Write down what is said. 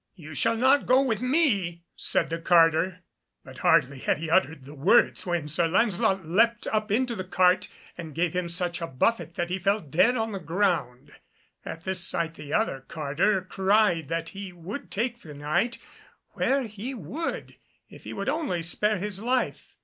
"You shall not go with me," said the carter, but hardly had he uttered the words when Sir Lancelot leapt up into the cart, and gave him such a buffet that he fell dead on the ground. At this sight the other carter cried that he would take the Knight where he would if he would only spare his life.